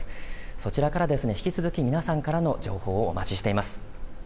そちらから引き続き皆さんの情報をお待ちしております。